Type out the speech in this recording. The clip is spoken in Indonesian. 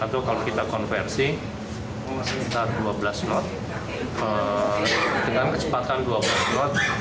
atau kalau kita konversi sekitar dua belas knot dengan kecepatan dua belas knot